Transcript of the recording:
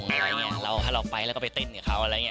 ถ้าเราไปแล้วก็ไปเต้นกับเขา